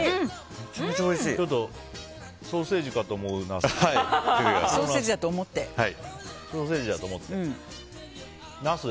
ちょっとソーセージかと思うナス。